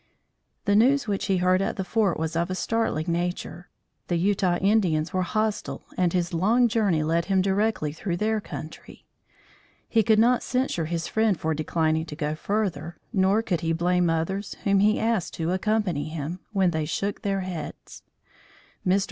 The news which he heard at the fort was of a startling nature. The Utah Indians were hostile and his long journey led him directly through their country. He could not censure his friend for declining to go further, nor could he blame others whom he asked to accompany him, when they shook their heads. Mr.